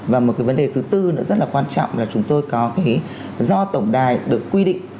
và một cái vấn đề thứ tư nữa rất là quan trọng là chúng tôi có cái do tổng đài được quy định